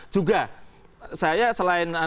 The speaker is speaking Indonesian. juga saya selain